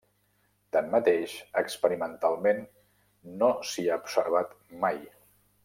Tanmateix, experimentalment no s'hi ha observat mai.